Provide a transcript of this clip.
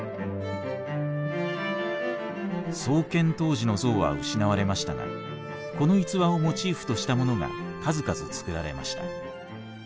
創建当時の像は失われましたがこの逸話をモチーフとしたものが数々作られました。